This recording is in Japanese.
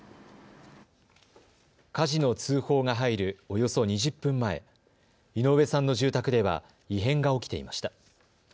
火事の通報が入るおよそ２０分前、井上さんの住宅では異変が起きていました。